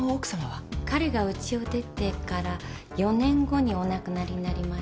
彼がウチを出てから４年後にお亡くなりになりました。